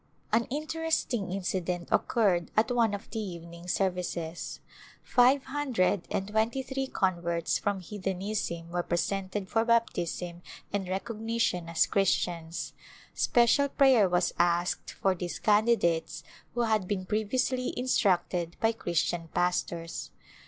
An interesting incident occurred at one of the even ing services. Five hundred and twenty three converts from heathenism were presented for baptism and rec ognition as Christians. Special prayer was asked for these candidates, who had been previously instructed by Christian pastors.